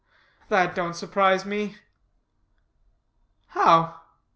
"That don't surprise me." "How?"